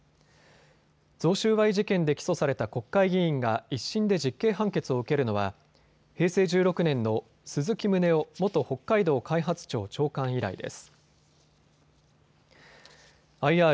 贈収賄事件で起訴された国会議員が１審で実刑判決を受けるのは平成１６年の鈴木宗男元北海道開発庁長官以来です。